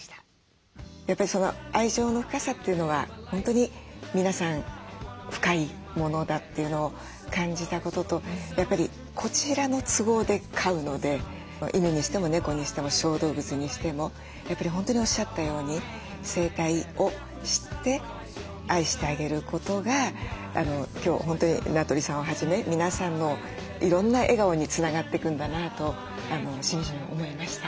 やっぱり愛情の深さというのは本当に皆さん深いものだというのを感じたこととやっぱりこちらの都合で飼うので犬にしても猫にしても小動物にしてもやっぱり本当におっしゃったように生態を知って愛してあげることが今日本当に名取さんをはじめ皆さんのいろんな笑顔につながっていくんだなとしみじみ思いました。